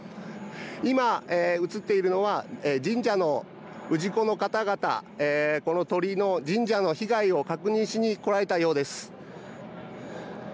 今、映っているのは神社の氏子の方々、この鳥居の神社の被害を確認しに来られたようです。